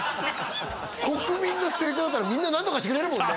国民の末っ子だったらみんな何とかしてくれるもんね